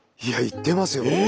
いや行ってますよ。